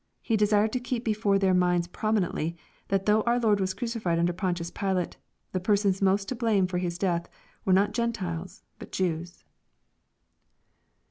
He desired to keep before their minds prominently, that though our Lord was crucified under Pontius Pilate, the persona most to blame for His ieati: were not Gentiles but Jews.